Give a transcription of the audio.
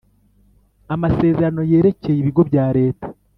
amasezerano yerekeye ibigo bya leta